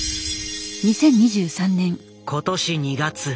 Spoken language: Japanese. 今年２月。